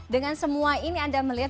dengan semua ini anda melihat